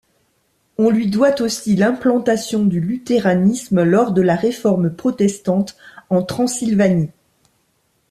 On lui doit aussi l’implantation du luthéranisme lors de la Réforme protestante en Transylvanie.